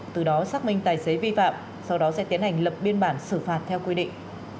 từ đó xác minh tài xế vi phạm sau đó sẽ tiến hành lập biên bản xử phạt theo quy định